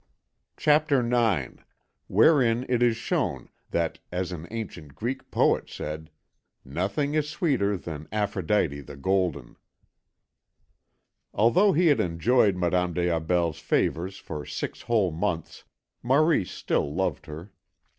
CHAPTER IX WHEREIN IT IS SHOWN THAT, AS AN ANCIENT GREEK POET SAID, "NOTHING IS SWEETER THAN APHRODITE THE GOLDEN" Although he had enjoyed Madame des Aubels' favours for six whole months, Maurice still loved her.